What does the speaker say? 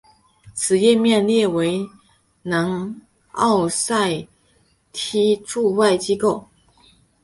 此页面列出南奥塞梯驻外机构。